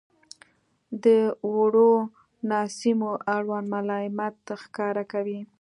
• د وړو ناسمیو اړوند ملایمت ښکاره کوئ.